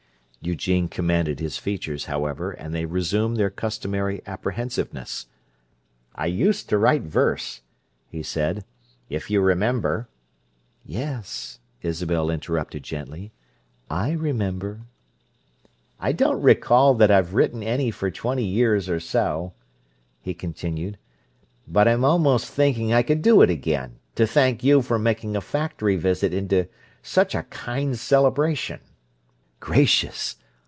Eugene commanded his features, however, and they resumed their customary apprehensiveness. "I used to write verse," he said—"if you remember—" "Yes," Isabel interrupted gently. "I remember." "I don't recall that I've written any for twenty years or so," he continued. "But I'm almost thinking I could do it again, to thank you for making a factory visit into such a kind celebration." "Gracious!"